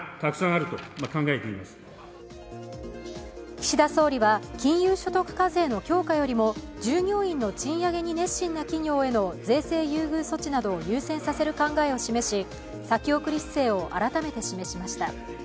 岸田総理は金融所得課税の強化よりも従業員の賃上げに熱心な企業への税制優遇措置などを優先させる考えを示し先送り姿勢を改めて示しました。